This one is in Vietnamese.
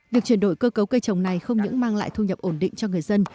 việc chuyển đổi cơ cấu cây trồng này không những mang lại thu nhập ổn định cho người dân